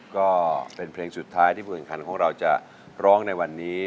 ก็เป็นเพลงสุดท้ายที่ผู้แข่งขันของเราจะร้องในวันนี้